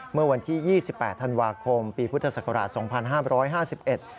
เมื่อวันที่๒๘ธันวาคมปีพุทธศักราช๒๕๕๑